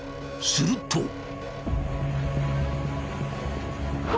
すると。